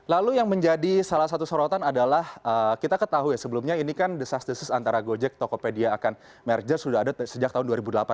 lalu yang menjadi salah satu sorotan adalah kita ketahui sebelumnya ini kan desas desa antara gojek tokopedia akan merger sudah ada sejak tahun dua ribu delapan